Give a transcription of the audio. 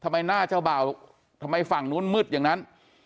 ทำไมหน้าเจ้าบ่าวทำไมฝั่งนู้นมืดอย่างนั้น